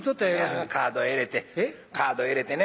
カード入れてカード入れてね。